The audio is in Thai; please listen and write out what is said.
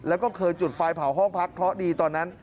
แล้วก็เคยจุดไฟเผาห้องพักเพราะดีตอนนั้น